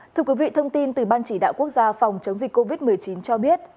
thưa quý vị thông tin từ ban chỉ đạo quốc gia phòng chống dịch covid một mươi chín cho biết